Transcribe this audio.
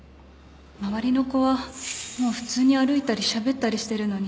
周りの子はもう普通に歩いたりしゃべったりしてるのに